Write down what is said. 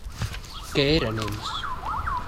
Què eren ells?